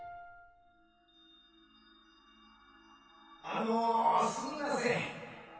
あのォすみません。